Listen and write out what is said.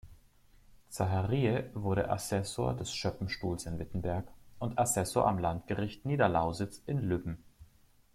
Zachariae wurde Assessor des Schöppenstuhls in Wittenberg und Assessor am Landgericht Niederlausitz in Lübben.